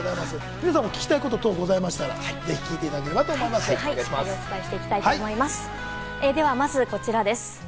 皆さんも聞きたいこと等ございましたら、ぜひ聞いていただけたらと思いまでは、まずこちらです。